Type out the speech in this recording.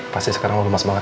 pasti sekarang lo lemas banget